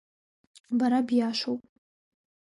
Бара биашоуп…